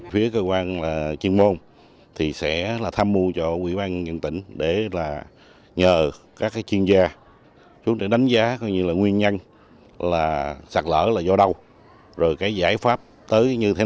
phía cơ quan chuyên môn sẽ tham mưu cho quỹ ban dân tỉnh để nhờ các chuyên gia đánh giá nguyên nhân sạt lở là do đâu giải pháp tới như thế nào